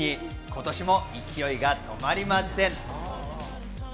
今年も勢いが止まりません。